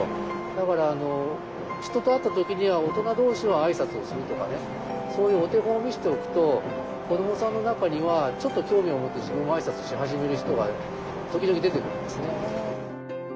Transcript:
だから人と会った時には大人同士はあいさつをするとかそういうお手本を見せておくと子どもさんの中にはちょっと興味を持って自分もあいさつし始める人が時々出てくるんですね。